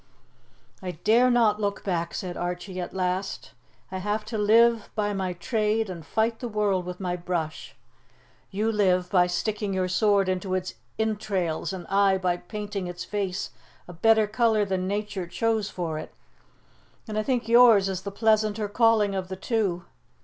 "I dare not look back," said Archie, at last, "I have to live by my trade and fight the world with my brush. You live by sticking your sword into its entrails and I by painting its face a better colour than Nature chose for it, and I think yours is the pleasanter calling of the two.